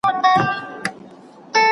څوک د اساسي قانون تعدیل کولای سي؟